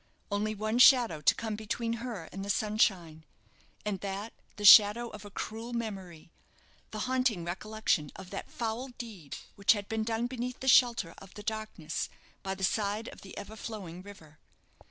Only one shadow to come between her and the sunshine, and that the shadow of a cruel memory the haunting recollection of that foul deed which had been done beneath the shelter of the darkness, by the side of the ever flowing river.